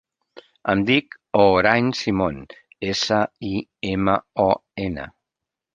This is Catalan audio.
Em dic Hoorain Simon: essa, i, ema, o, ena.